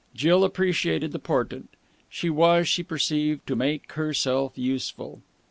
Jill appreciated the portent. She was, she perceived, to make herself useful.